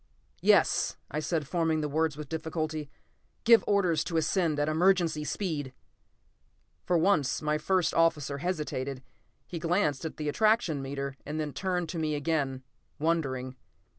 "Yes," I said, forming the words with difficulty. "Give orders to ascend at emergency speed!" For once my first officer hesitated. He glanced at the attraction meter and then turned to me again, wondering.